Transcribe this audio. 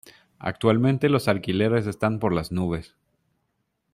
Actualmente los alquileres están por las nubes.